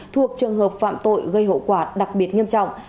thuộc trường hợp phạm tội gây hậu quả đặc biệt nghiêm trọng